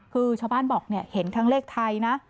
คือชาวบ้านบอกเห็นทั้งเลขไทยนะ